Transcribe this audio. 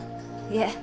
いえ。